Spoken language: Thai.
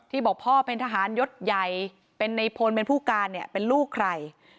ที่บอกพ่อเป็นทหารยศใหญ่เป็นนายพลเป็นผู้การเป็นลูกใคร